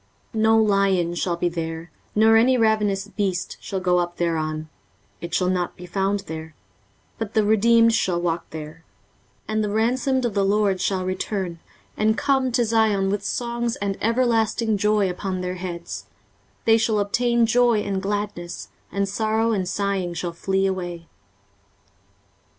23:035:009 No lion shall be there, nor any ravenous beast shall go up thereon, it shall not be found there; but the redeemed shall walk there: 23:035:010 And the ransomed of the LORD shall return, and come to Zion with songs and everlasting joy upon their heads: they shall obtain joy and gladness, and sorrow and sighing shall flee away.